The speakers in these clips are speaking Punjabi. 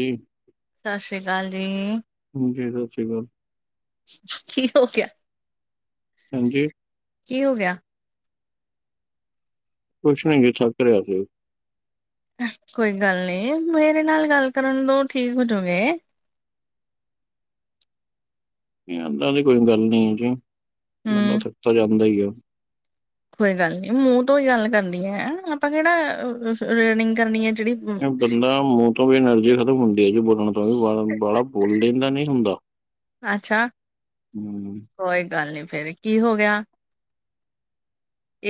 ਹਂ ਸਤਿ ਸ਼੍ਰੀ ਅਕਾਲ ਜੀ। ਹਾਂਜੀ ਸਿ ਸ਼ੀ ਗੱਲ ਕੀ ਹੋ ਗਿਆ? ਹਾਂਜੀ। ਕੀ ਹੋ ਗਿਆ। ਕੁਛ ਨ੍ਹੀਂ ਜੀ ਥੱਕ ਰਿਹਾ ਸੀ। ਕੋਈ ਗੱਲ ਨੀਂ ਮੇਰੇ ਨਾਲ ਗੱਲ ਕਰਨ ਤੋਂ ਠੀਕ ਹੋਜੂਗੇ। ਏਦਾਂ ਦੀ ਕੋਈ ਗੱਲ ਨੀਂ ਕਰੇਗੀ, ਬੰਦਾ ਹੂੰ ਥੱਕਤਾ ਜਾਂਦਾ ਈ ਐ। ਕੋਈ ਗੱਲ ਨ੍ਹੀਂ ਮੂੰਹ ਤੋਂ ਹੀ ਗੱਲ ਕਰਣੀ ਏ, ਆਪਾਂ ਕਿਹੜਾ ਰਨਿੰਗ ਕਰਨੀ ਐ ਜਿਹੜੀ ਇਹ ਬੰਦਾ ਮੂੰਹ ਤੋਂ ਵੀ ਐਨਰਜੀ ਖ਼ਤਮ ਹੁੰਦੀ ਹੈ ਜੀ ਬੋਲਣ। ਵਾਲਾ ਬੋਲ ਦਣ ਦਾ ਨੀ ਹੁੰਦਾ। ਅੱਛਾ ਹਂ ਕੋਈ ਗੱਲ ਨੀਂ ਫੇਰ ਕੀ ਹੋ ਗਿਆ।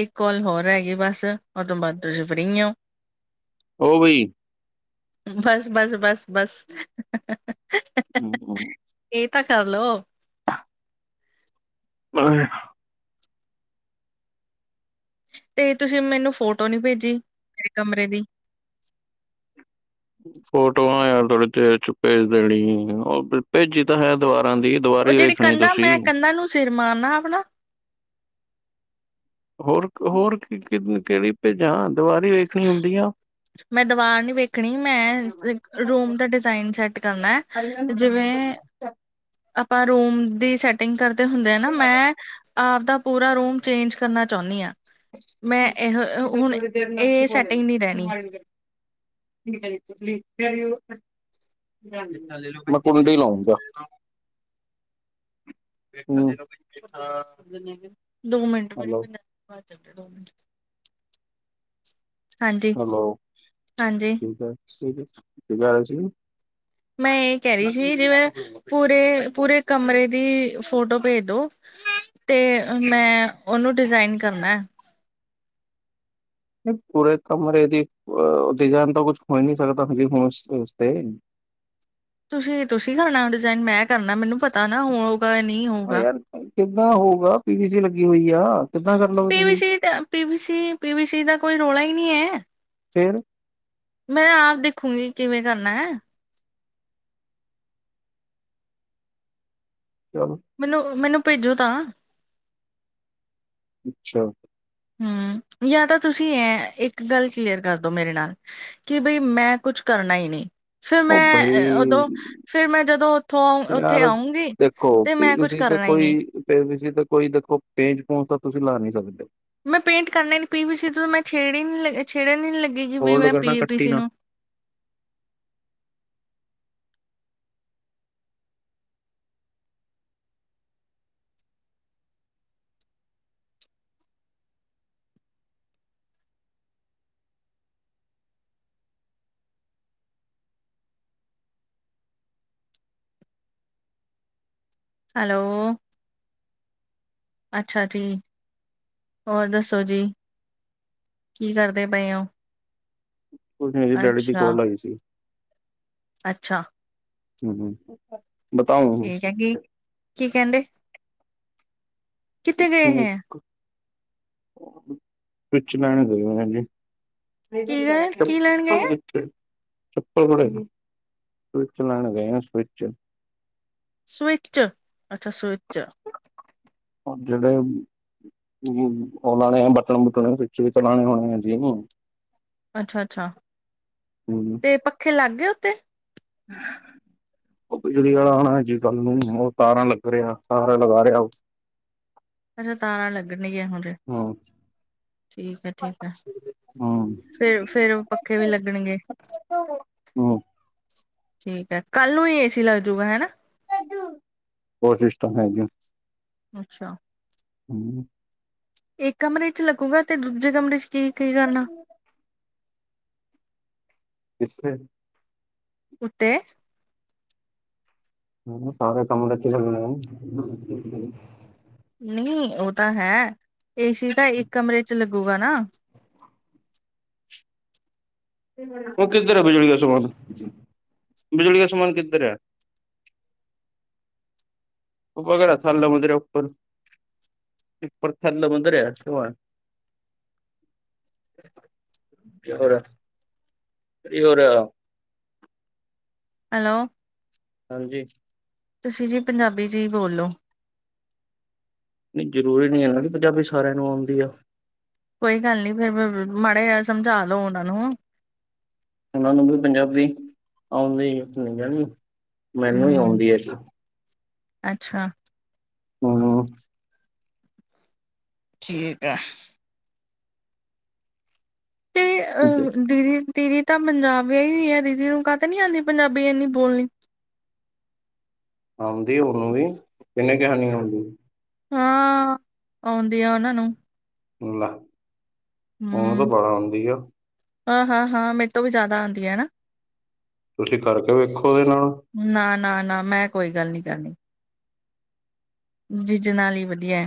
ਇੱਕ ਕਾਲ ਹੋਰ ਹੈਗੀ ਬਸ, ਉਹ ਤੋਂ ਬਾਅਦ ਤੁਸੀਂ ਫਰੀ ਔਂ। ਉਹ ਬਈ ਬਸ, ਬਸ, ਬਸ, ਬਸ। [unintelligible] ਹਂ, ਹਂ। ਇਹ ਤਾਂ ਕਰਲੋ [unintelligible] ਤੇ ਤੁਸੀਂ ਮੈਨੂੰ ਫੋਟੋ ਨੀਂ ਭੇਜੀ, ਮੇਰੇ ਕਮਰੇ ਦੀ। ਫੋਟੋਆਂ ਆ ਥੋੜ੍ਹੀ ਦੇਰ ਚ ਭੇਜ ਦੇਣੀ, ਉਹ ਭੇਜੀ ਤਾਂ ਹੈ ਦਵਾਰਾਂ ਦੀ। ਦੀਵਾਰ ਉਹ ਹੀ ਜਿਹੜੀ ਵੇਖਣੀ ਕੰਧਾਂ, ਤੁਸੀਂ। ਮੈਂ ਕੰਧਾਂ ਨੂੰ ਸਿਰ ਮਾਰਨਾ ਆਪਣਾ ਹੋਰ, ਹੋਰ ਕੀ ਕਿਹੜੀ ਪੇਜਾਂ ਦੀਵਾਰੀ ਵੇਖਣੀ ਹੁੰਦੀ ਆ। ਮੈਂ ਦੀਵਾਰ ਨੀਂ ਵੇਖਣੀ, ਮੈਂ ਰੂਮ ਦਾ ਡਿਜ਼ਾਇਨ ਸੈੱਟ ਕਰਨਾ। ਹੈ। ਜਿਵੇਂ [unintelligible] ਆਪਾਂ ਰੂਮ ਦੀ ਸੈਟਿੰਗ ਕਰਦੇ ਹੁੰਦੇ ਆ ਨਾ ਮੈਂ ਆਪਦਾ ਪੂਰਾ ਰੂਮ ਚੇਂਜ ਕਰਨਾ ਚਾਹੁੰਣੀ ਆਂ। ਮੈਂ ਇਹੋ ਹੁਣ ਇਹ ਸੈਟਿੰਗ ਨਹੀਂ ਰਹਿਣੀ। [unintelligible] ਫੇਥ ਹਾਂਜੀ। ਮੈਂ ਕੁੰਡੀ ਲਾਉਂਗਾ ਭੇਥ ਹੂੰ [unintelligible] [unintelligible] ਦੋ ਮਿੰਟ ਵਾਰੀ ਹੈਲੋ ਪੰਜ ਹਾਂਜੀ ਹੈਲੋ ਹਾਂਜੀ। ਠੀਕ ਹੈ ਠੀਕ ਐ, ਕੀ ਗੱਲ ਸੀ? ਮੈਂ ਇਹ ਕਹਿ ਰਹੀ ਸੀ ਜਿਵੇਂ ਪੂਰੇ, ਪੂਰੇ ਕਮਰੇ ਦੀ ਫੋਟੋ ਭੇਜ ਦੋ। ਤੇ ਮੈਂ ਉਹਨੂੰ ਡਿਜ਼ਾਇਨ ਕਰਨਾ। ਪੂਰੇ ਕਮਰੇ ਦੀ ਉਹ ਉ ਡਿਜ਼ਾਇਨ ਤਾਂ ਕੁਛ ਹੋ ਨਹੀਂ ਸਕਦਾ ਹੁਣ ਇਸ ਸਟੇਜ ਤੇ। ਤੁਸੀਂ, ਤੁਸੀਂ ਕਰਨਾ ਡਿਜ਼ਾਇਨ ਮੈਂ ਕਰਨਾ। ਮੈਨੂੰ ਪਤਾ ਨਾਂ ਹੋਗਾ ਨਹੀਂ ਉਹ ਹੋਊਗਾ। ਯਾਰ ਕਿੱਦਾਂ ਹੋਊਗਾ ਪੀ ਵੀ ਸੀ ਲੱਗੀ ਹੋਈ ਆ। ਕਿੱਦਾਂ ਕਰ ਲਓਗੇ ਤੁਸੀਂ ਪੀਵੀਸੀ ਦਾ ਪੀਵੀ ਪੀਵੀ ਸੀ ਦਾ ਕੋਈ ਰੌਲਾ ਈ ਨਈਂ ਐ। ਫਿਰ। ਮੈਂ ਆਪ ਦੇਖੂਗੀ ਕਿਵੇਂ ਕਰਨਾ ਐ। ਚਲ। ਮਲਬ, ਮਲਬ ਭੇਜੋ ਤਾਂ। ਅੱਛਾ। ਹੂੰ, ਯਾਂ ਤਾਂ ਤੁਸੀ ਐਂ ਇੱਕ ਗੱਲ ਕਲੀਅਰ ਕਰਦੋ ਮੇਰੇ ਨਾਲ ਕਿ ਬਈ ਮੈਂ ਕੁੱਛ ਕਰਨਾ ਈ ਨੀ। ਫਿਰ ਉਹ ਮੈਂ ਬਈ ਅ ਔਦੋਂ, ਫਿਰ ਮੈਂ ਜਦੋਂ ਔਥੋਂ ਔਥੇ ਯਾਰ ਆਉਂਗੀ ਦੇਖੋ ਤੇ ਪੀ ਮੈਂ ਵੀ ਕੁਛ ਤੇ ਏਤੇ ਕਰਨਾ ਹੀ ਨਹੀਂ ਕੋਈੇ ਤੇ ਤੁਸੀ ਏਥੇ ਕੋਈ ਦੇਖੋ ਪੇਂਜ ਪੂਜ ਤਾਂ ਤੁਸੀ ਲਾ ਨੀ ਸਕਦੇ ਮੈਂ ਪੇਂਟ ਕਰਨਾ ਈ ਨੀ। ਪੀ ਵੀ ਸੀ ਤੋਂ ਮੈਂ ਛੇੜ ਈ ਨ ਲੱ ਛੇੜਨ ਨੀ ਲੱਗੀ ਕਿ ਵੀ ਹੋਲਡ ਮੈਂ ਕਰਨਾ ਪੀ ਪੀ ਕੱਟੀ ਸੀ ਨਾ ਨੂੰ ਹੈਲੋ। ਅੱਛਾ, ਠੀ ਹੋਰ ਦੱਸੋ ਜੀ? ਕੀ ਕਰਦੇ ਪਏ ਔ? ਕੁਛ ਨੀ ਹਜੇ ਡੈਡੀ ਦੀ ਕੋਲ ਆਈ ਸੀ। ਅੱਛਾ। ਹੂੰ-ਹੂੰ। ਠੀਕ ਹੈਗੀ। ਕੀ ਕੈਂਦੇ? ਕੁਛ ਗਏ ਨਈ। ਹੈ ਕੁਛ ਲੈਣ ਗਏ ਹੈਂਗੇ। [unintelligible] ਕੀ ਗਏ [unintelligible] ਕੀ ਲੈਣ ਗਏ ਹੈ ਸਵਿਚ ਲੈਣ ਗਏ ਆ ਸਵਿਚ। ਸਵਿੱਚ, ਅੱਛਾ ਸਵਿੱਚ। ਹੁਣ ਜੜੇ ਔ ਲਾਣੇ ਐ ਬਟਨ-ਬੁਟਨ ਸਵੀਚ ਚਲਾਣੇ ਔਣੇ [unintelligible] ਅੱਛਾ-ਅੱਛਾ ਤੇ ਪੱਖੇ ਲੱਗ ਗਏ ਉਤੇ। [unintelligible] ਔ ਬਿਜਲੀ ਵਾਲਾ ਔਨੈ ਜੇ ਕੰਮ [unintelligible] ਤਾਰਾਂ ਲੱਗ ਰਿਹਾ, ਤਾਰਾ ਲਗਾ ਰਿਹੈ। ਅੱਛਾ ਤਾਰਾਂ ਲੱਗਣੀਐ ਹੁਨੈ। ਹੂੰ ਠੀਕ ਐ-ਠੀਕ ਐ। ਹੂੰ ਫੇਰ, ਫੇਰ ਪੱਖੇ ਵੀ ਲੱਗਣਗੇ। ਹੂੰ। ਠੀਕ ਐ। ਕੱਲ੍ਹ ਨੂੰ ਈ ਏ ਸੀ ਲੱਗ ਜੂਗਾ ਹੈ ਨਾ। ਕੋਸ਼ਿਸ਼ ਤਾਂ ਹੈ ਜੀ। ਅੱਛਾ। ਹੂੰ। ਇੱਕ ਕਮਰੇ ਇੱਚ ਲੱਗੂਗਾ ਤੇ ਦੂਜੇ ਕਮਰੇ ਇੱਚ ਕੀ, ਕੀ ਕਰਨੈ। [unintelligible] ਕਿਸ ਸੇ? ਉੱਤੇ। ਹੂੰ, ਸਾਰੇ ਕਮਰੇ ਇੱਚ ਲਗਾਏ ਨਹੀ ਨਈ ਔ ਤਾਂ ਹੈ ਏ ਸੀ ਤਾਂ ਇੱਕ ਕਮਰੇ ਇੱਚ ਲੱਗੂਗਾ ਨਾ। ਔ ਕਿੱਧਰ ਐ ਬਿਜਲੀ ਆਲਾ ਸਮਾਨ? ਬਿਜਲੀ ਦਾ ਸਮਾਨ ਕਿੱਧਰ ਐ? ਤੂੰ ਕਦੋਂ ਰੱਖਿਐ ਅੰਦਰ ਮੰਜੇ ਦੇ ਉੱਪਰ। ਉੱਪਰ ਥੱਲੇ ਮੰਦਰ ਐ [unintelligible] ਤੇ ਹੋਰ, ਕੀ ਹੋਰ। ਹੈਲੋ। ਹਾਂਜੀ। ਤੁਸੀਂ ਜੀ ਪੰਜਾਬੀ ਜੀ ਬੋਲ ਲੋ। ਨੀ ਜਰੂਰੀ ਨੀ ਐ ਨਾ ਬੀ ਪੰਜਾਬੀ ਸਾਰਿਆਂ ਨੂੰ ਆਉਂਦੀ ਆ। ਕੋਈ ਗੱਲ ਨੀ ਫੇਰ ਬ ਮਾੜਾ ਜਿਆ ਸਮਝਾ ਲੋ ਔਨਾਂ ਨੂੰ। ਔਨਾਂ ਨੂੰ [unintelligible] ਪੰਜਾਬੀ ਆਉਂਦੀ [unintelligible] ਮੈਨੂੰ ਈ ਹੂੰ ਆਉਂਦੀ ਐ ਸਿਰਫ਼। ਅੱਛਾ। ਹੂੰ। ਠੀਕ ਐ। ਤੇ ਅ ਦੀਦੀ ਦੀਦੀ ਤਾਂ ਪੰਜਾਬ ਵੇਆਹੀ ਹੋਈ ਆ, ਦੀਦੀ ਨੂੰ ਕਾ ਤੋ ਨੀ ਆਂਦੀ ਪੰਜਾਬੀ ਏਨੀ ਬੋਲਨੀ। ਆਉਂਦੀ ਓਨੂੰ ਵੀ, ਕਿੰਨੇ ਕੇਹਾ ਨੀ ਆਉਂਦੀ? ਹਾਂ, ਆਉਂਦੀ ਆ ਓਨਾਂ ਨੂੰ। ਲੈ ਓਨ ਤਾਂ ਹੂੰ ਬੜਾ ਆਂਉਦੀ ਆ ਹਾਂ, ਹਾਂ, ਹਾਂ ਮੇਤੋਂ ਵੀ ਜਾਦਾ ਆਂਦੀ ਆ ਨਾ। ਤੁਸੀਂ ਕਰਕੇ ਵੇਖੋ ਓਦੇ ਨਾਲ਼। ਨਾ, ਨਾ, ਨਾ ਮੈਂ ਕੋਈ ਗਾੱਲ ਨੀ ਕਰਨੀ। ਜੀਜੇ ਨਾਲ ਈ ਵਦੀਆ ਏ,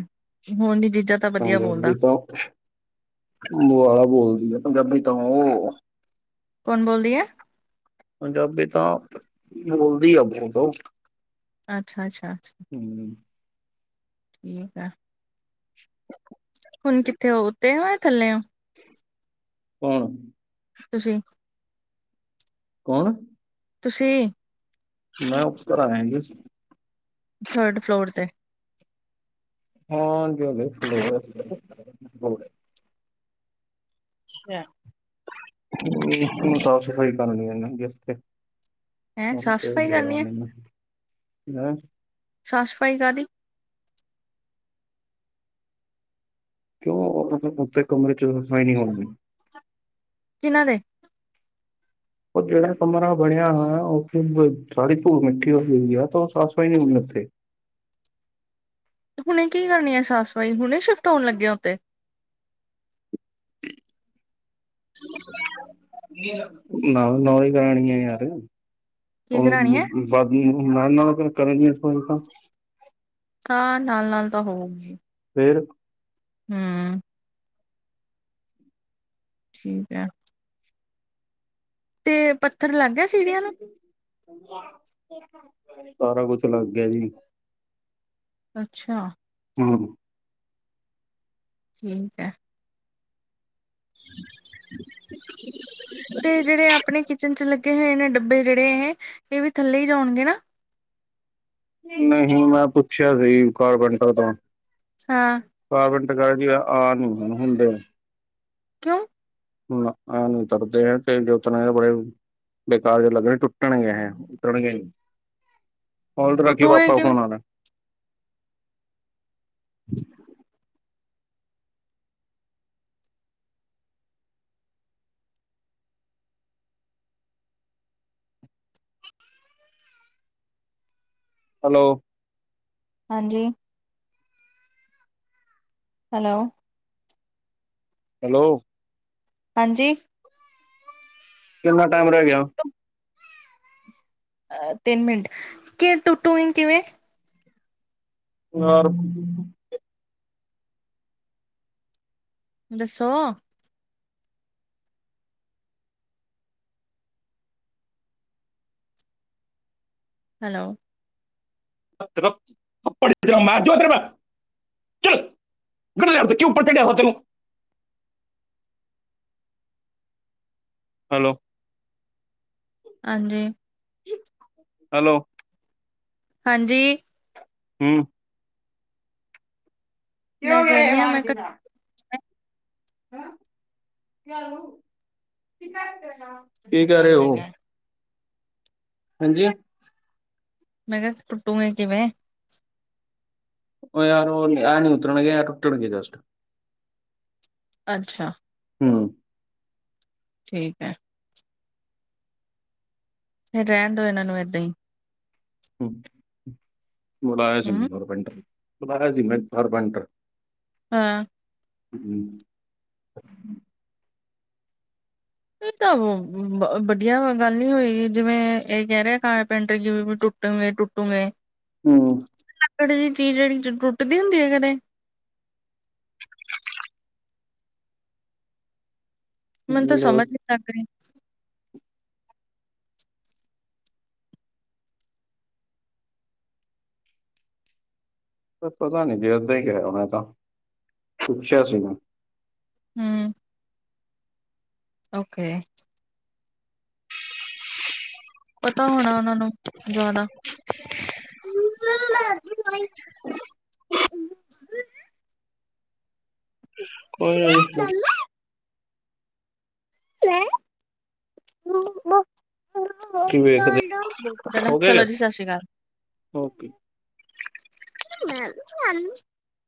ਹੋਣ ਨੀ ਜੀਜਾ ਤਾਂ ਵਧੀਆ ਬੋਲਦਾ ਹਾਂਜੀ-ਹਾਂਜੀ ਓਤਾਂ ਬਾਲਾ਼ ਬੋਲਦੀ ਆ ਪੰਜਾਬੀ ਤਾਂ ਓ। ਕੋਨ ਬੋਲਦੀ‌ ਐ? ਪੰਜਾਬੀ ਤਾਂ ਬੋਲਦੀ ਆ ਬੋਤ ਓ। ਆੱਛਾ, ਆੱਛਾ, ਅੱਛਾ। ਹੂੰ। ਠੀਕ ਆ। [inaudible] ਹੁਨ ਕਿੱਥੇ ਓ ਊਤੇ ਓ ਥੱਲੇ ਓ? ਘਾਰ ਆਂ। ਤੁਸੀਂ ਕੌਣ? ਤੁਸੀਂ। ਮੈਂ ਉੱਪਰ ਆਏਆਂ ਸੀ। ਥੜ ਫਲੋਰ ਤੇ। ਹਾਂ [unintelligible] ਅੱਛਾ। ਹੁਣ ਸਾਫ਼ ਸਫ਼ਾਈ ਕਰਨੀ ਆ ਨਾਂ [unintelligible] ਹੈਂ ਹੋਨ ਸਾਫ਼ ਭੇਜ ਸਫ਼ਾਈ ਰੇਆ ਕਰਨੀ ਮੈਨੂ ਜਾ ਸਾਫ ਸਫਾਈ ਕਾਦੀ? ਕਿ ਓ ਉਤੇ ਕਮਰੇ ਚ ਓ ਸਫਾਈ ਨਈ ਹੋਣ ਕਿਨਾਂ ਦੇ? ਓ ਜੇੜਾ ਕਮਰਾ ਬਣੇਆ ਹੋਏਆ ਓਥੇ ਸਾਰੀ ਧੂਲ-ਮਿੱਟੀ ਹੋਈ ਆ ਤਾਂ ਤਾ ਸਫਾਈ ਹੋਣੀ ਓਥੇ ਹੁਣੇ ਕੀ ਕਰਨੀ ਐ ਸਾਫ਼ ਸਫ਼ਾਈ, ਹੁਣੇ ਸ਼ਿਫਟ ਹੋਣ ਲੱਗੇ ਆ ਓਥੇ? ਨਾਲ਼-ਨਾਲ਼ ਈ ਜਾਣ ਗੀਆ ਯਾਰ। ਕੀ ਕਰਾਣੀ ਹੈ [unintelligible] ਤਾਂ ਨਾਲ-ਨਾਲ ਤਾਂ ਹੋਊਗੀ। ਫੇਰ। ਹੂੰ। ਠੀਕ ਐ। ਤੇ, ਪੱਥਰ ਲਾੱਗ ਗੇਆ ਸੀੜੀਆਂ ਨੂੰ? ਸਾਰਾ ਕੁਛ ਲਾੱਗ ਗੇਆ ਜੀ। ਅੱਛਾ। ਹੂੰ। ਠੀਕ ਐ। [inaudible] ਤੇ, ਜੇੜੇ ਆਪਨੇ ਕਿਚਨ ਚ, ਲੱਗੇ ਹੋਏ ਨੇ ਡੱਬੇ ਜੇੜੇ ਏਹੇ ਏ ਵੀ ਥੱਲੇ ਈ ਜਾਨਗੇ ਨਾ? ਨਈ, ਮੈਂ ਹੂਣ ਪੁੱਛੇਆ ਵੇ ਕਾਰਪੈਂਟਰ ਤੋ। ਹਾਂ। ਕਾਰਪੇਂਟਰ ਕੈਰੇ ਆ, ਆ ਨੀ ਹੁੰਦੇ। ਕੇਓਂ? ਨਾ ਆ ਨੀ ਕਰਦੇ ਤੇ ਜੇਤਨਾ ਬੜਾ ਈ। ਬੇਕਾਰ ਜੇ ਲੱਗਣੇ ਟੁੱਟਣਗੇ ਐ। ਉਤਰਨ ਗੇ ਨੀ ਹੋਲਡ ਤੇ ਰੱਖੀਓ, ਟੁੱਟੂਏ ਪਾਪਾ ਕਿਵੇਂ ਫੋਨ ਆਣਾ ਐ। [inaudible] ਹੈਲੋ। ਹਾਂਜੀ। ਹੈਲੋ। ਹੈਲੋ। ਹਾਂਜੀ। ਕਿੰਨਾ ਟਾਈਮ ਰਹਿ ਗਿਆ। ਅ ਤਿੰਨ ਮਿੰਟ- ਕਿ ਟੁੱਟੂਗੀ ਕਿਵੇਂ ਯਾਰ ਤੁਸੀ ਦੱਸੋ। ਹੈਲੋ। [unintelligible] ਚਲ ਗਨਿਆ ਕਿਓਂ ਪਕੜੇ ਓ‌ਤਨੇ ਹੈਲੋ। ਹਾਂਜੀ। ਹੈਲੋ। ਹਾਂਜੀ। ਹੂੰ ਕਿਓ, ਮੈਂ ਕਹਿ ਲੜਿਆ ਏ ਰਹੀ ਹਾਂ ਮੈਂ ਮਾਸੀ ਘੱਟ- ਨਾਲ। [unintelligible] ਹਜੇ ਤਾਂ ਰਹੇ ਟਾਈਮ ਹੈਗਾ। ਹੋ ਗਿਆ। ਮੈਂ ਕਿਹਾ ਟੁੱਟੂਗਾ, ਕਿਵੇਂ ਆ ਯਾਰ ਆ ਨੀ, ਉਤਰਣਗੇ ਟੁੱਟਣ, ਜਸਟ ਅੱਛਾ। ਹੂੰ ਠੀਕ ਹੈ। ਫਿਰ, ਰਹਿਣ ਦਓ ਇਹਨਾਂ ਨੂੰ, ਈਦਾਂ ਹੀ। ਬੁਲਾਇਆ ਸੀ। ਹਮ ਮੈਂ ਕਾਰਪੈਂਟਰ ਬੁਲਾਇਆ ਸੀ, ਮੈਂ ਕਾਰਪੈਂਟਰ। ਹਾਂ। ਹੂੰ ਇਹ ਤਾਂ ਓ, ਵਧੀਆ ਗੱਲ ਨੀ ਹੋਈ। ਜਿਵੇਂ ਇਹ ਕਹਿ ਰਿਹਾ ਕਾਰਪੈਂਟਰ, ਕਿ ਵੀ ਟੁੱਟਣਗੇ ਟੁੱਟ ਟੂਟੇ ਹੂੰ ਲੱਕੜ ਦੀ ਚੀਜ਼ ਜਿਹੜੀ ਟੁੱਟਦੀ ਹੁੰਦੀ ਹੈ ਕਦੇ? ਮੈਨੂੰ ਤੂੰ, ਬੋਲੋ, ਸਮਝ ਨ ਲੱਗ ਰੀ ਪਤਾ ਨੀ, ਜੇ ਏਦਾਂ ਹੀ ਕਿਹ ਰਿਹਾ ਮੈ ਤਾਂ। ਪੁੱਛਿਆ ਸੀ ਉਨੂੰ ਹੂੰ ਓਕੇ। ਪਤਾ ਹੋਣਾ, ਉਨਾ ਨੂੰ ਜ਼ਿਆਦਾ। [unintelligible] ਕੋਈ ਨਾ ਜੀ। ਬਾਕੀ ਵੇਖਦੇ ਹੋ [unintelligible] ਗਿਆ ਚਲੋ ਜੇ? ਜੀ, ਸਤਿ ਸ੍ਰੀ ਅਕਾਲ। ਓਕੇ [unintelligible]